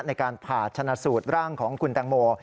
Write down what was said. ในการผ่าชนะสูตรร่างของคุณแตงโม